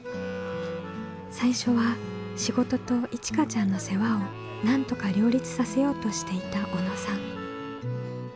最初は仕事といちかちゃんの世話をなんとか両立させようとしていた小野さん。